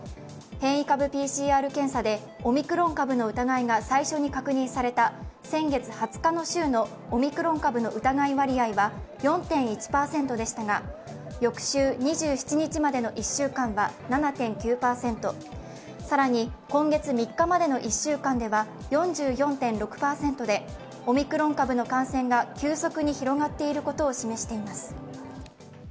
変異株ＰＣＲ検査でオミクロン株の疑いが最初に確認された先月２０日の週のオミクロン株の疑い割合は４．１％でしたが翌週２７日までの１週間は７．９％、更に今月３日までの１週間では４４．６％で、オミクロン株の感染が急速に広がっていることを示しています。